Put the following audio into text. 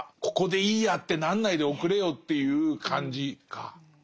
ここでいいやってなんないでおくれよっていう感じか。